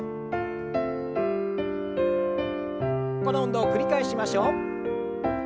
この運動繰り返しましょう。